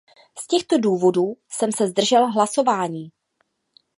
Z těchto důvodů jsem se zdržel hlasování.